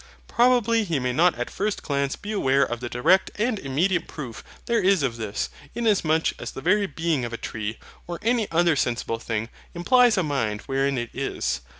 Probably he may not at first glance be aware of the direct and immediate proof there is of this; inasmuch as the very being of a tree, or any other sensible thing, implies a mind wherein it is.